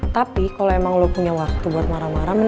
tapi kalau emang lo punya waktu buat marah marah